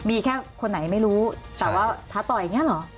มีแค่คนไหนไม่รู้แต่ว่าท้าต่อยอย่างนี้เหรอ